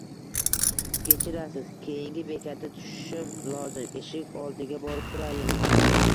-Kechirasiz, keyingi bekatda tushishim lozim. Eshik oldiga borib turayin.